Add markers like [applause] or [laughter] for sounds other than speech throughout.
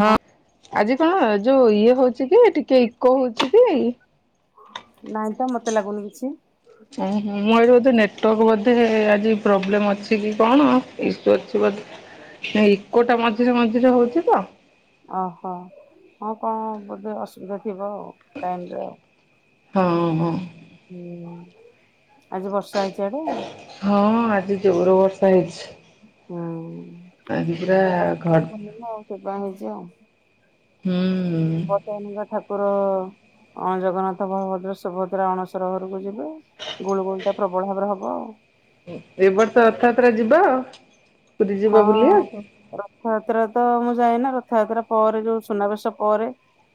ହଁ ଆଜି କଣ ଯୋଉ ଇଏ ହଉଛି କି ଟିକେ ଇକୋ ହଉଛି କି? ନାଇଁ ତ ମତେ ଲାଗୁନି କିଛି। ଓହୋ ମୋର ଆଜି ବୋଧେ ନେଟୱାର୍କ ବୋଧେ ଆଜି ପ୍ରୋବ୍ଲେମ ଅଛି କି କଣ? ଏ ଇଶୁ ଅଛି ବଧେ ନା ଇକୋଟା ମଝିରେ ମଝିରେ ହଉଛି ତ ଅହୋ ହଁ କଣ ବୋଧେ ଅସୁବିଧା ଥିବ ଆଉ ଟାଇନ ରେ ଆଉ। ହଁ ହଁ। ହୁଁ ଆଜି ବର୍ଷା ହେଇଛି ୟାଡେ। ହଁ ଆଜି ଜୋର ବର୍ଷା ହେଇଚି। ହଁ। ଆଜି ପୂରା ଘଟ୍ ସେ ପା ହେଇଚି ଆଉ। ହୁଁଉଁ। ଦନିକ ଠାକୁର ଅଣ ଜଗନ୍ନାଥ ବଳଭଦ୍ର ସୁଭଦ୍ରା ଅଣସର ଘରକୁ ଯି [inaudible] ଗୁଳୁ ଗୁଳି ଟା ପ୍ରବଳ ଭାବରେ ହବ ଆଉ। ଏଇ ବର୍ଷ ରଥଯାତ୍ରା ଯିବା ଆଉ। ହଁ ରଥଯାତ୍ରା ତ ମୁଁ ଯାଏନା ରଥଯାତ୍ରା ପରେ ଯୋଉ ସୁନାବେଶ ପରେ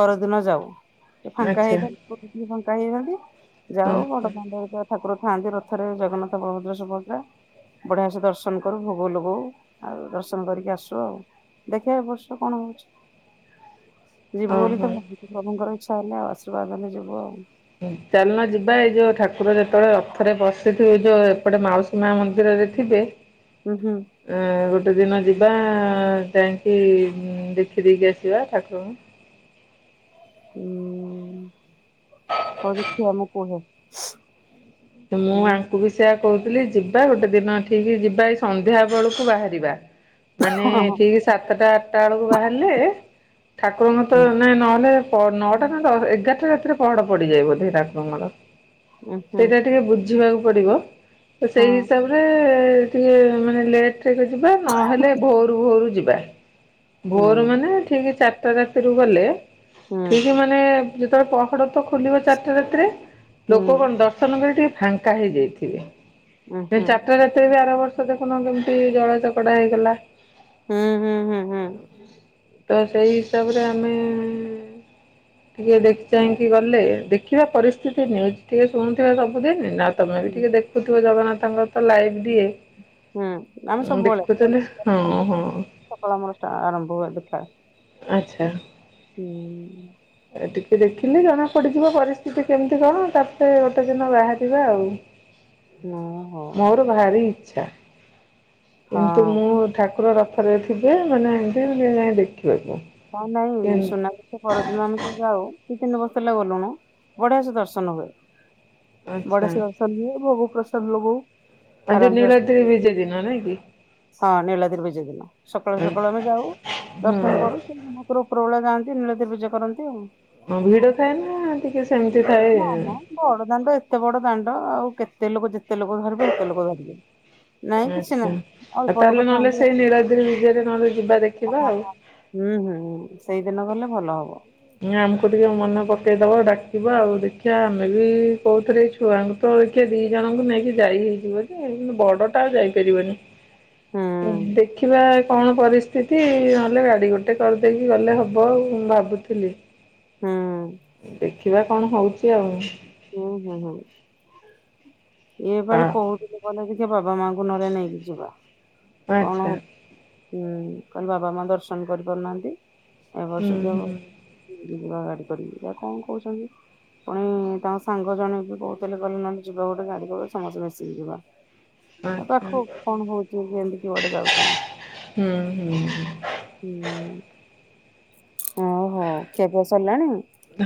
ପରଦିନ ଯାଉ ଟି ଫାଙ୍କା ଆଚ୍ଛା ହେଇଥା [inaudible] ଫାଙ୍କା ହେଇଥାନ୍ତି ଯାଉ ଓହୋ ବଡ ଣ୍ଡରେ ଥିଆ ଠାକୁର ଥାଆନ୍ତି ରଥରେ ଜଗନ୍ନାଥ ବଳଭଦ୍ରା ସୁଭଦ୍ରା। ବଢ଼ିଆ ସେ ଦର୍ଶନ କରୁ ଭୋଗ ଲଗଉ। ଆଉ ଦର୍ଶନ କରିକି ଆସୁ ଆଉ ଦେଖିଆ ଏ ବର୍ଷ କଣ ହଉଚି। ଯିବୁ ବୋଲି ଓହୋ। ତ ମହାପ୍ରଭୁଙ୍କର ଇଚ୍ଛା ହେଲେ ଆଉ ଆଶୀର୍ବାଦ ହେଲେ ଯିବୁ ଆଉ। ଚାଲୁନା ଯିବା ଏଇ ଯୋଉ ଠାକୁର ଯେତେବେଳେ ରଥରେ ବଶିଥିବେ ଯୋଉ ଏପଟେ ମାଉସୀ ମା ମନ୍ଦିରରେ ଥିବେ [inaudible] ହୁଁ ହୁଁ। ଆଁ ଗୋଟେ ଦିନ ଯିବା ଯାଇଙ୍କି ଦେଖି ଦେଇକି ଆସିବା ଠାକୁରଙ୍କୁ। ଉଁ ହୌ ଦେଖିଆ ମୁଁ କୁହେ। ମୁଁ ହୁଁ ଆଙ୍କୁ ବି ସେୟା କହୁଥିଲି ଯିବା ଗୋଟେ ଦିନ ଠିକ ଯିବା ଏଇ ସନ୍ଧ୍ୟା ବେଳକୁ ବାହାରିବା [inaudible] ମାନେ ହଁ ହଁ। ଠିକ ସାତଟା ଆଠଟା ବେଳକୁ ବାହାରିଲେ ଠାକୁରଙ୍କ ତ ହୁଁ ନା ନହେଲେ ତ ନଅଟା ନା ଦଶ ଏଗାରଟା ରାତିରେ ପହଡ଼ ପଡ଼ିଯାଏ ବୋଧେ ଠାକୁରଙ୍କର। ଉଁ ହୁଁ ସେଇଟା ଟିକେ ବୁଝିବାକୁ ପଡ଼ିବ ତ ସେଇ ହଁ ହିସାବରେ ଟିକେ ମାନେ ଲେଟ୍ ରେ ଯିବା ନହେଲେ ଭୋରୁ ଭୋରୁ ଯିବା ହୁଁ ଭୋରୁ ମାନେ ଠିକ୍ ଚାରିଟା ରାତି ରୁ ଗଲେ ହୁଁ ଠିକ୍ ମାନେ ନେ ଯେତେଳେ ପହଡ ତ ଖୋଲିବ ଚାରିଟା ରାତିରେ ହୁଁ ଲୋକ କଣ ଡ ଳେ ଟିକେ ଫାଙ୍କା ହେଇଯାଇଥିବେ ଉଁ ସେ ହୁଁ। ଚାରିଟା ରାତିରେ ବି ଆର ବର ସେଇଠି ଦେଖୁନ କେମିତି ଦଳା ଚକଟା ହେଇଗଲା! ହୁଁ ହୁଁ ହୁଁ ହୁଁ ତ ସେଇ ହିସାବରେ ଆମେ ଟିକେ ଦେଖି ଚାହିଁକି ଗଲେ ଦେଖିବା ପରିସ୍ଥିତି ନ୍ୟୁଜ୍ ଟିକେ ଶୁଣୁଥିବା ସବୁଦିନି ନା ତମେ ବି ହୁଁ ଟିକେ ଦେଖୁଥିବ ଜଗନ୍ନାଥଙ୍କର ତ ଲାଇଭ ଦିଏ ହୁଁ ଆମେ ଉଁ ଦେଖୁଥିଲି ହଁ ହଁ। ସକାଳେ ମୋର ଷ୍ଟା ଆରମ୍ଭ ହୁଏ ଦେଖା। ଆଚ୍ଛା। ହୁଁ। ଏ ଟିକେ ଦେଖିଲେ ଜଣାପଡ଼ିଯିବ ପରିସ୍ଥିତି କେମିତି କଣ ତାପରେ ଗୋଟେ ଦିନ ବାହାରିବା ଆଉ। [inaudible] ଓହୋ। ମୋର ଭାରି ଇଚ୍ଛା ହଁ କିନ୍ତୁ ମୁଁ ଠାକୁର ରଥରେ ଥିବେ ମାନେ ଏମତି ଏମିତି ଯାଇ ଟିକେ ଦେଖିବାକୁ। ହଁ ନାଇଁ ସୁନାବେଶ ତା ପରଦିନ ଆମେ ଟିକେ ଯାଉ ଦି ତିନି ବର୍ଷ ହେଲା ଗଲୁଣୁ ବଢିଆ ସେ ଦର୍ଶନ ହୁଏ। ଆଚ୍ଛା ବଢିଆ ସେ ଦର୍ଶନ ହୁଏ ଭୋଗ ପ୍ରସାଦ ଲଗଉ। ଆଜି ଆରାମସେ ଦର୍ଶନ ନୀଳାଦ୍ରି କରୁ ବିଜେ ଦିନ ନାଇଁ କି। ହଁ ନୀଳାଦ୍ରି ବିଜେ ଦିନ ସକାଳୁ ସକାଳୁ ଆମେ ଯାଉ ଦର୍ଶନ କରୁ [unintelligible] ମହାପ୍ରଭୁ ଉପରବେଳା ଯାଆନ୍ତି ନୀଳାଦ୍ରି ବିଜେ କରନ୍ତି ଆଉ। ହଁ ଭିଡ ଥାଏ ନା ଟିକେ ସେମିତି ଥାଏ? ନା ମ ବଡ ଦାଣ୍ଡ ଏତେ ବଡ ଦାଣ୍ଡ ଆଉ କେତେ ଲୋକ ଯେତେ ଲୋକ ଧରିବେ ସେତେ ଲୋକ ଧରିବେ। ନାଇଁ କିଛି ଆଚ୍ଛା ନାଇଁ ଆଉ ଅଳ୍ପ ତାହେଲେ ଲୋକ ନହେଲେ ଥାଆନ୍ତି ସେଇ ଅତି ନୀଳାଦ୍ରି ବିଜେରେ ନହେଲେ ଯିବା ଓ ଦେଖିବା ହଁ ଆଉ। ହଁ। ହୁଁ ହୁଁ ହୁଁ ସେଇଦିନ ଗଲେ ଭଲ ହବ। [unintelligible] ଆମକୁ ଟିକେ ମନେ ପକେଇଦବ ଡାକିବ ଆଉ ଦେଖିବା ଆମେ ବି କୋଉଥିରେ ଛୁ ଛୁଆଙ୍କୁ ତ ଏଇଖା ଦି ଜଣଙ୍କୁ ନେଇକି ଯାଇ ହେଇଯିବ ଯେ କିନ୍ତୁ ବଡ ଟା ଯାଇପାରିବନି। ହୁଁ ଉଁ ଦେଖିବା କଣ ପରିସ୍ଥିତି ନହଲେ ଗାଡି ଗୋଟେ କରିଦେଇକି ଗଲେ ହବ ଆଉ ମୁଁ ଭାବୁଥିଲି। ହୁଁ। ଦେଖିବା କଣ ହଉଛି ଆଉ। ହୁଁ ହୁଁ ହୁଁ। ଇଏ ବା ଏଇଲେ କହୁଥିଲେ କହିଲେ କି ଯେ ବାବା ମାଆଙ୍କୁ ନହେଲେ ନେଇକି ଯିବା। କଣ ଆଚ୍ଛା। ହଉ ହୁଁ କହିଲେ ବାବା ମାଆ ଦର୍ଶନ କରିପାରୁନାହାନ୍ତି ଏ ହୁଁ ବର୍ଷ ଯଦି ହୁଁ ହବ ଯିବା ଗାଡି କରିକି ଯିବା କଣ କହୁଛନ୍ତି। ପୁଣି ତାଙ୍କ ସାଙ୍ଗ ଜଣେ ବି କହୁଥିଲେ କହିଲେ ନହେଲେ ଯିବା ଗୋଟ ଗୋଟେ ଗାଡି କରିଦବା ସମସ୍ତେ ମିଶିକି ଯିବା ଆଉ ଆଚ୍ଛା ପାଖକୁ କଣ ହଉଛି କେମିତି କୁଆଡେ ଯାଉଛନ୍ତି। ହୁଁ ହୁଁ ହୁଁ। ହୁଁ ଓ ହୋ ଖିଆ ପିଆ ସରିଲାଣି?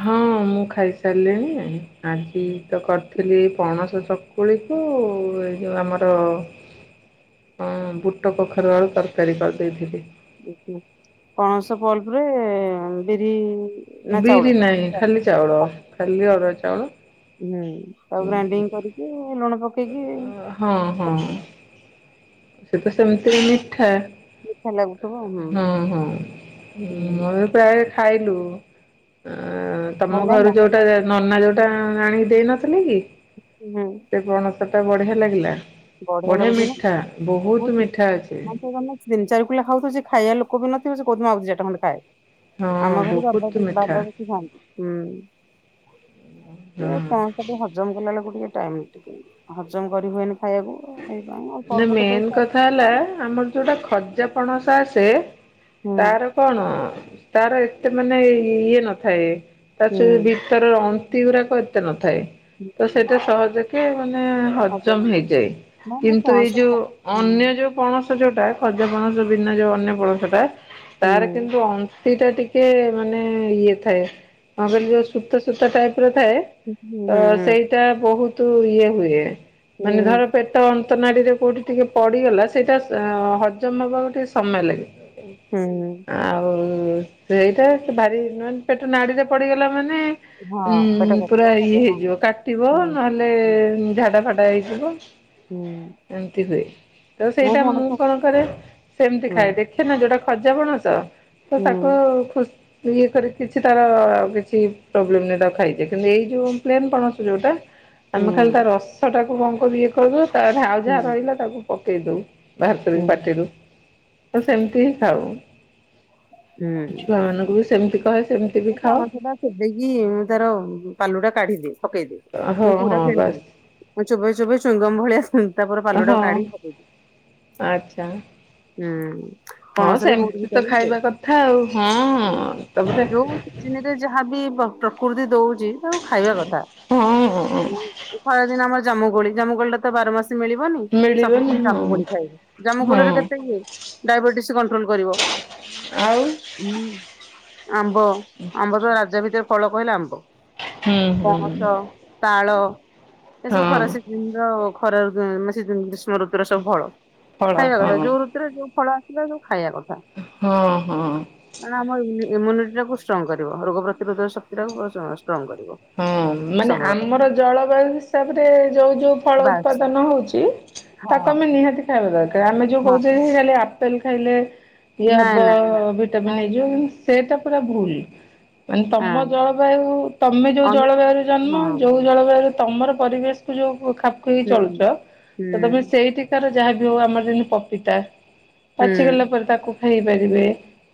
ହଁ ମୁଁ ଖାଇସାରିଲିଣି ଆଜି ତ କରିଥିଲି ଏଇ ପଣସ ଚକ୍ କୁଳିକୁ ଏ ଯେଉଁ ଆମର ହ [inaudible] ହଁ ବୁଟ କଖାରୁ ଆଳୁ ତରକାରୀ କରିଦେଇଥିଲି। ଉଁ ହୁଁ ପଣସ ପଲ୍ପରେ ବିରି ନା ବିରି ଚାଉଳ? ନାହିଁ ହୁଁ ଖାଲି ଚାଉଳ ଖାଲି ଅରୁଆ ଚାଉଳ ହୁଁ ଆଉ ଗ୍ରାଇଣ୍ଡିଙ୍ଗ କରିକି ଏ ଲୁଣ ପକେଇକି ହଁ ହଁ। ସେ ତ ସେମିତିରେ ମିଠା, ମିଠା ଲାଗୁଥିବ ହୁଁ ହଁ ହଁ ହୁଁ। ମୋର ପ୍ରାୟ ଖାଇଲୁ ଅ ଭଲ ତମ ଲାଗିଲା ଘରୁ ଯୋଉ ଟା ନନା ଯୋଉଟା ଆଣିକି ଦେଇ ନଥିଲେ କି? ହୁଁ। ସେ ପଣସ ଟା ବଢିଆ ଲାଗିଲା, ବଢିଆ ମିଠା ବହୁତ ମିଠା ଅଛି। ତିି ଚାରି କିଲ ହଉ ପଛେ ଖାଇବା ଲୋକ ବି ନଥିବ, ସେ କଉଛି ମୁ ଆଉ ଦି ଚାରିଟା ଖଣ୍ଡେ ଖାଏ। ହଁ ଆମ ଘରେ ବାବା ବହୁତ ମିଠା। ବାବା ବେଶୀ ଖାଆନ୍ତି, ହୁଁ ହଁ ସେ ଖାନ୍ ତାକୁ ହଜମ କଲାବେଳକୁ ଟିକେ ଟାଇମ୍ ଟେକିଙ୍ଗ, ହଜମ କରିହୁଏନି ଖାଇବାକୁ। ଏଇପାଇଁ ଅଳ୍ପ ନା ଅଳ୍ପ କେତେବେଳେ ମେନ ଖାଏ କଥା ହେଲା, ଆମର ଯୋଉଟା ଖଜା ପଣସ ଆସେ ହୁଁ ତାର କଣ, ତାର ଏତେ ମାନେ ଇଏ ନଥାଏ, ତା ସେ ବି ହୁଁ। ତାର ଅନ୍ତି ଗୁରାକ, ଏତେ ନଥାଏ ତ ହୁଁ ସେଇଟା ସହଜ କି ମାନେ ହଜମ ହେଇଯାଏ, କିନ୍ତୁ ଏଇ ଯୋଉ ଅନ୍ୟ ଯୋଉ ପଣସ ଯୋଉଟା ଖଜା ପଣସ ବିନା ଯୋଉ ଅନ୍ୟ ପଣସ ଟା ତାର କିନ୍ତୁ ଅନ୍ତି ଟା ଟିକେ ମାନେ ଇଏ ଥାଏ, କଣ କହିଲି ଯୋଉ ସୂତା ସୂତା ଟାଇପ ର ଥାଏ। ତ ସେଇଟା ବହୁତ ଇଏ ହୁଏ, ମାନେ ଧର ଅନ୍ତ ନାଡିରେ କୋଉଠି ଟିକେ ପଡିଗଲା ସେଇଟା ହଜମ ହବାକୁ ଟିକେ ସମୟ ଲାଗେ। ହୁଁ। ଆଉ ସେ ଏଇଟା ସେ ଭାରି ନ ପେଟ ନାଡିରେ ପଡିଗଲା ମାନେ ଉଁ ପୁରା ଇଏ ହେଇଯିବ, କାଟିବ ନହେଲେ ଝାଡା ଫାଡା ହେଇଯିବ। ହୁଁ। ଏମତି ହୁଏ, ତ ସେଇଟା ମୁଁ କଣ କରେ ସେମିତି ଖାଏ ଦେଖି ସେ ନା ଯୋଉଟା ଖଜା ପଣସ, ତ ତାକୁ ଖୁ ଇଏ କରି କିଛି ତାର କିଛି ପ୍ରୋବ୍ଲେମ୍ ନାଇଁ ତାକୁ ଖାଇ ହେଇଯାଏ, କିନ୍ତୁ ଏଇ ଯେଉଁ ପ୍ଲେନ୍ ପଣସ ଯେଉଁଟା ଆମେ ଖାଲି ତା ରସ ଟାକୁ କଣ କରୁ ଇଏ କରିଦଉ, ତା ଆଉ ଯାହା ରହିଲା ତାକୁ ପକେଇ ଦଉ। ବାହାର କରିକି ପାଟିରୁ, ତ ସେମିତି ହିଁ ଖାଉ। ଛୁଆ ମାନଙ୍କୁ ବି ସେମିତି କହେ, ସେମିତି ବି ପଣସ ଖାଅ ଟା ଚୋବେଇକି ମୁଁ ତାର ପାଲୁ ଟା କାଢିଦିଏ। ପକେଇଦିଏ, ହଁ ମୁଁ ହଁ ପୁରା ଗିଲେନି ବାସ୍ ମୁଁ ଚୋବେଇ ଚୋବେଇ ଚୁଇଙ୍ଗମ ଭଳିଆ ତାପରେ ହଁ ପାଲୁଟାକୁ କାଢିି କି ପକେଇ ଦିଏ, ଆଚ୍ଛା ହୁଁ। ହଁ ପଣସରେ ବି ବହୁତ ସେମିତି ତ ଭିଟାମିନ ଥାଏ। ଖାଇବା କଥା ଆଉ, ହୁଁ ହଁ। ତାପରେ ଯୋଉ ସିଜିନ ରେ ଯାହାବି ପ୍ରକୃତି ଦଉଛି ତାକୁ ଖାଇବା କଥା, ହଁ ଖରାଦିନ ଆମର ଜାମୁ କୋଳି ଜାମୁ କୋଳିଟା ତ ବାର ମାସ ମିଳିବନି, ମିଳିବନି ସବୁଦିନ ହଁ ଜାମୁ କୋଳି ଖାଇବି, ଜାମୁ ହଁ କୋଳିର କେତେ ଇଏ। ଡାଇବେଟିସ୍ କଣ୍ଟ୍ରୋଲ୍ କରିବ। ଆଉ? ହୁଁ। ଆମ୍ବ, ଆମ୍ବ ତ ରାଜା ଭିତରେ ଫଳ କହିଲେ ଆମ୍ବ, ହୁଁ ହୁଁ ପଣସ ତାଳ, ଏସବୁ ହଁ ଖରା ସିଜିନର ଖରା ସିଜିନ୍ ଋତୁରେ ସବୁ ଫଳ, ଫଳ ଖାଇବା କଥା ହଁ ଯୋଉ ଋତୁରେ ଯୋଉ ଫଳ ଆସିଲା ସବୁ ଖାଇବା କଥା। ହୁଁ ହୁଁ। ମାନେ ଆମ ଇମ୍ୟୁ -ଇମ୍ୟୁନିଟି ଟାକୁ ଷ୍ଟ୍ରଙ୍ଗ କରିବ, ରୋଗ ପ୍ରତିରୋଧକ ଶକ୍ତି ଟା ଷ୍ଟ୍ରଙ୍ଗ କରିବ। ହଁ ମାନେ ସବଳ କରିବ ଆମର ଜଳବାୟୁ ହିସାବରେ ଯୋଉ ଯୋଉ ଫଳ ବାସ୍ ଉତ୍ପାଦନ ହଉଛି ହଁ ତାକୁ ଆମେ ନିହାତି ଖାଇବା ଦରକାର, ଆମେ ଯୋଉ ହଁ କହୁଛେ ସେ ଖାଲି ଆପେଲ ଖାଇଲେ ଇଏ ନାଇଁ ହବ, ନାଇଁ ନାଇଁ ଭିଟାମିନ ନାଇଁ ହେଇଯିବ କିନ୍ତୁ ସେଇଟା ପୁରା ଭୁଲ। ମାନେ ତମ ହଁ ଜଳବାୟୁ, ତମେ ଯୋଉ ଅନୁସାରେ ଜଳବାୟୁରେ ଜନ୍ମ ହଁ। ଯୋଉ ଜଳବାୟୁରେ ତମର ପରିବେଶ କୁ ଯୋଉ ଖାପ ଖୋଇକି ହୁଁ ଚଳୁଛ ତ ତମେ ହୁଁ ସେଇଠୀ - ତାର ଯାହାବିି ହଉ ଆମର ଯେମତି ପପିତା ହୁଁ ପାଚିଗଲା ପରେ ତାକୁ ଖାଇ ହୁଁ ପାରିବେ।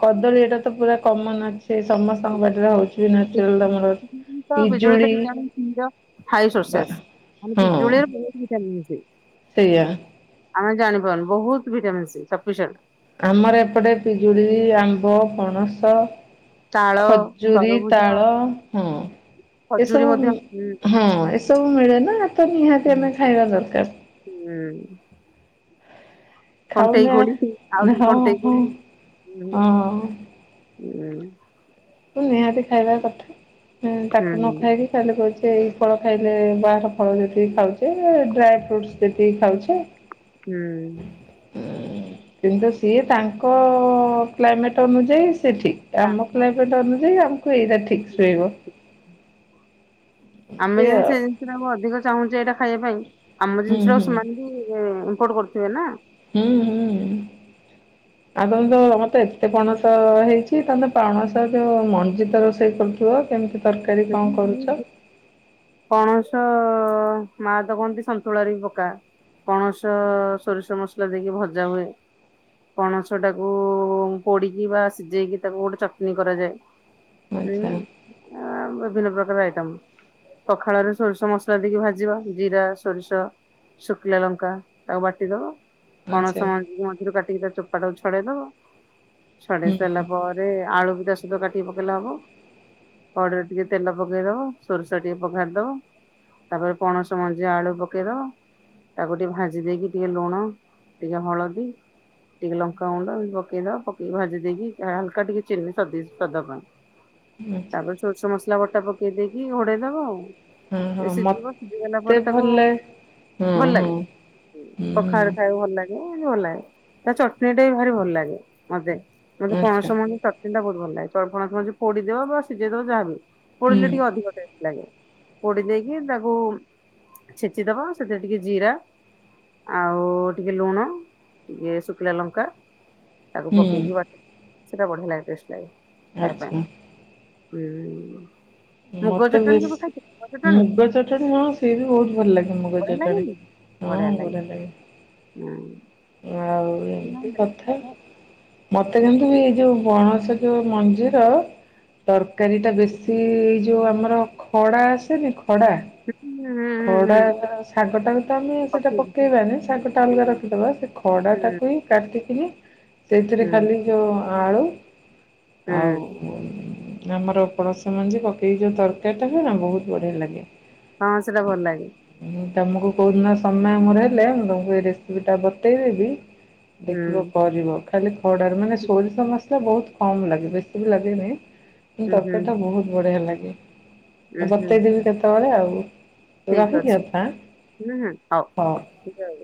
କଦଳୀ ଏଟା ତ ପୁରା କମନ ଅଛି। ସମସ୍ତଙ୍କ ବାଡିରେ ହଉଛି ନେଚୁରାଲ ତମର ବିଜୁଳି ତ ାଇ ବା ସସ [inaudible] ଖାଲି ହଁ ବିଜୁଳିର କେଜ। [inaudible] ସେଇଆ। ଆମେ ଜାଣିପାରୁନୁ ବହୁତ ଭିଟାମସ ସଫିସେଣ୍ଟ। ଆମର ଏପଟେ ପିଜୁଳି, ଆମ୍ବ, ପଣସ। ତାଳ ଖଜୁରୀ, ତରଭୁଜ ତାଳ ହଁ। ଖଜୁରୀ ଏସବୁ ମଧ୍ୟ ହୁଁ ହଁ, ଏସବୁ ମିଳେ ନା ତ ନିହାତି ହୁଁ ଆମେ ଖାଇବା ଦରକାର। ହୁଁ। କଣ୍ଟେଇ ଖାଉନା କୋଳି ଆଉ ଟିକେ ହଁ କଣ୍ଟେଇ ହଁ କୋଳି ହୁଁ ହଁ। [inaudible] ନିହାତି ଖାଇବା କଥା ହୁଁ ତାକୁ ନ ଖାଇକି ଖାଲି କହୁଚି ଏଇ ଫଳ ଖାଇଲେ ବାହା ଫଳ ଯେତିକି ଖାଉଚେ, ଡ୍ରାଏ ଫ୍ରୁଟସ ଯେତିକି ଖାଉଚେ ହୁଁ। କିନ୍ତୁ ସିଏ ତାଙ୍କ କ୍ଲାଇମେଟ୍ ଅନୁଯାୟୀ ସେଠି ତା- ଆମ କ୍ଲାଇଇମେଟ ଅନୁଯାୟୀ ଆମକୁ ଏଇରା ଠିକ ସୁହେଇବ। ଆମେ ଏମିତି ଯେମତି ଆଉ ସେନ୍ତି ଟା ଅଧିକ ଚାହୁଁଚେ ଏଟା ଖାଇବା ପାଇଁ ଆମ ହୁଁ ଜିନିଷଟାକୁ ହୁଁ ସେମାନେ ବି ଇମ୍ପୋର୍ଟ କରୁଥିବେ ନା। ହୁଁ ହୁଁ ହୁଁ। ହ [inaudible] ଆପଣତ ମତେ ଏତେ ପଣସ ହେଇଛି, ତମେ ପଣସ ଯୋଉ ମଞ୍ଜିତ ରୋଷେଇ କରୁଥିବ? କେମିତି ତରକାରୀ କଣ ନା କରୁଛ? ପଣସ ମା ତ କହନ୍ତି ସନ୍ତୁଳାରେ ବି ପକା। ପଣସ ସୋରିଷ ମସଲା ଦେଇକି ଭଜା ହୁଏ। ପଣସ ଟାକୁ ପୋଡିକି ବା ସିଝେଇକି ତାକୁ ଗୋଟେ ଚଟନି କରାଯାଏ। ଆଚ୍ଛା ହୁଁ। ଆ ବିଭିନ୍ନ ପ୍ରକାର ଆଇଟମ। ପଖାଳରେ ସୋରିଷ ମସଲା ଦେଇକି ଭାଜିବା ଜିରା, ସୋରିଷ ଶୁକିଲାଲଙ୍କା ତାକୁ ବାଟି ଦବ ଆଚ୍ଛା ପଣସ ମଞ୍ଜି ମଝିରୁ କାଟିକି ତା ଚୋପା ଟାକୁ ଛଡେଇ ଦବ। ହୁଁ ଛଡେଇ ସାରିଲା ପରେ ସେଥିରେ ଆଳୁବି ତାସହିତ କାଟିକି ପକେଇଲେ ହବ। କଡେଇରେ ଟିକେ ତେଲ ପକେଇ ଦବ। ସୋରିଷ ଟିକେ ପଘାରିଦବ। ତାପରେ ପଣସ ମଞ୍ଜି ଆଳୁ ପକେଇଦବ। ତାକୁ ଟିକେ ଭାଜି ଦେଇକି, ଟିକେ ଲୁଣ ଟିକେ ହଳଦୀ ଟିକେ ଲଙ୍କାଗୁଣ୍ଡ ବି ପକେଇ ଦବ ପକେଇକି ଭାଜି ଦେଇକି ହାଲକା ଟିକେ ଚିନି ସ ସ୍ଵାଦ ପାଇଁ। ହୁଁ। ତାପରେ ସୋରିଷ ମସଲା ବଟା ପକେଇ ଦେଇକି। ଘୋଡେଇ ଦବଆଉ। ହଁ ହଁ ଟିକେ ସିଯିବ ସିଝିଗଲା ମତେ ପରେ ଭଲ ତାକୁ ଲାଗେ ହଁ ଭଲ ହଁ ଲାଗେ। ହୁଁ ପଖାଳରେ ଖାଇବାକୁ ଭଲ ଲାଗେ। ଭଲ ଲାଗେ ତା ଚଟଣି ଟା ବି ଭାରି ଭଲ ଲାଗେ। ମତେ ମତେ ପଣସ ଆଚ୍ଛା ମଞ୍ଜି ଚଟ ଚଟଣି ଟା ବହୁତ ଭଲ ଲାଗେ ଚପଣସ ମଞ୍ଜି ପୋଡିଦବ ବା ସିଝେଇଦବ ଯାହା ବି ହଉ ପୋଡିଲେ ହୁଁ ଟିକେ ଅଧିକ ଟେସ ଲାଗେ ପୋଡି ଦେଇକି। ତାକୁ ଛେଚିଦବ ସେଥିରେ ଟିକେ ଜିରା ଆଉ ଟିକିେ ଲୁଣ ଟିକେ ଶୁଖିଲା ଲଙ୍କା ତାକୁ ହୁଁ ପକେଇକି ବା ସେଟା ବଢିଆ ଲାଗେ ଟେଷ୍ଟ ଲାଗେ। ଖାଇବା ପାଇଁ ଆଚ୍ଛା। ହୁଁ। ମୁଗ ମତେ ଚଟଣି ବେଶ କେବେ ଖାଇଛ ଚଟଣି ମୁଗ ଚଟଣି ହଣ ସି ବି ବହୁତ ଭଲ ଲାଗେ। ଆମକୁ ବଢିଆ ଜଟାଣି ଲାଗେନି [inaudible] ବଢିଆ ହଁ [inaudible] ଲାଗେ କଟଣି। ହୁଁ ଆଉ ହୁଁ ଏମିତି କଥା [inaudible] ମତେ କିନ୍ତୁ ବି ଏଇ ଯୋଉ ବଣସ କି ମଞ୍ଜିର ତରକାରୀ ଟା ବେଶୀ ଯୋଉ ଆମର ଖଡ଼ା ଆସେନି ଖଡ଼ା। ହୁଁ। ଖଡ଼ା ହୁଁ ଶାଗଟାକୁ ତ ଆମେ ସେଇଟା ପକେଇକି ପକେଇବାନି ଶାଗଟା ଅଲଗା ହୁଁ ରଖିଦେବା ସେ ହୁଁ ଖଡ଼ାଟାକୁ ହିଁ କଟିକିନି ସେଇଥିରେ ହୁଁ ଖାଲି ଯୋଉ ଆଳୁ ହୁଁ ଆଉ ଆମର ପଣସ ମଞ୍ଜି ପ ଏଇ ଯୋଉ ତରକାରୀ ଟା ହୁଏ ନା ବହୁତ ବଢିଆ ଲାଗେ। ହଁ ସେଇଟା ଭଲ ଲାଗେ। ତମକୁ କୋଉଦିନ ସମୟ ମୋର ହେଲେ ମୁଁ ତମକୁ ଏ ରେସିପି ଟା ବତେଇଦେବି। ହୁଁ ଦେଖିବ କରିବ ଖାଲି ଖଡାରେ ମାନେ ସୋରିଷ ମସ ବହୁତ କମ ଲାଗେ ବେଶୀ ବି ଲାଗେନି କି ଉଁ ହୁଁ ତରକାରୀ ଟା ବହୁତ ବଢିଆ ଲାଗେ। ଉଁ ହୁଁ ବତେଇଦେବି କେତେବେଳେ ଆଉ ଠିକ ରହିଲି ଅଛି ଅପା ହୁଁ ହୁଁ ହଉ ହଁ। ଜୟ ଜଗନ୍ନାଥ